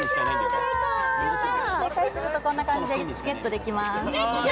正解するとこんな感じでゲットできます。